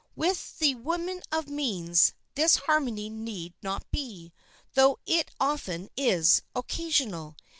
With the woman of means, this harmony need not be, though it often is, occasional.